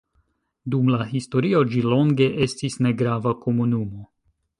Dum la historio ĝi longe estis negrava komunumo.